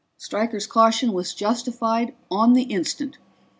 Stryker's caution was justified on the instant.